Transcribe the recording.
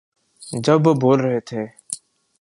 جب وہ بول رہے تھے۔